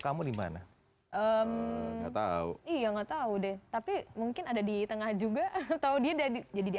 kamu dimana eh tahu iya nggak tahu deh tapi mungkin ada di tengah juga atau dia jadi dia